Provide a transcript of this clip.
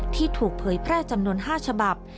ที่ถูกเผยแพร่จำนวน๕ฉบับ